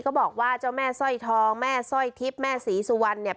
บอกว่าเจ้าแม่สร้อยทองแม่สร้อยทิพย์แม่ศรีสุวรรณเนี่ย